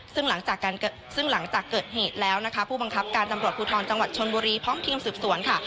ซึ่งหลังจากซึ่งหลังจากเกิดเหตุแล้วนะคะผู้บังคับการตำรวจภูทรจังหวัดชนบุรีพร้อมทีมสืบสวนค่ะ